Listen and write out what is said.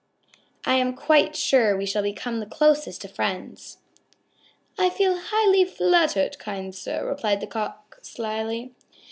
I am quite sure we shall become the closest of friends." "I feel highly flattered, kind sir," replied the Cock slyly.